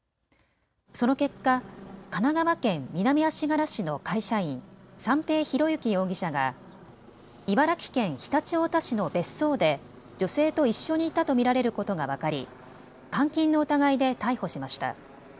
その結果、神奈川県南足柄市の会社員、三瓶博幸容疑者が茨城県常陸太田市の別荘で女性と一緒にいたと見られることが分かり監禁の疑いで逮捕しました。